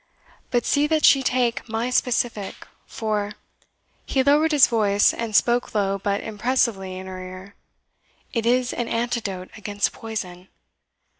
But see that she take my specific, for" (he lowered his voice, and spoke low but impressively in her ear) "it is an antidote against poison.